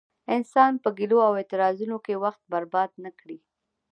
انسان په ګيلو او اعتراضونو کې وخت برباد نه کړي.